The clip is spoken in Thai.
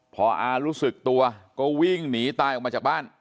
พออารู้สึกตัวก็วิ่งหนีตายออกมาจากบ้าน